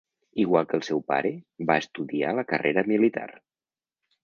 Igual que el seu pare, va estudiar la carrera militar.